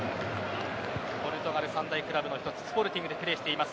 ポルトガル３大クラブの一つスポルティングでプレーしています。